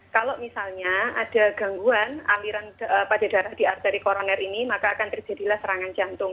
kalau misalnya ada gangguan aliran pada darah di arteri koroner ini maka akan terjadilah serangan jantung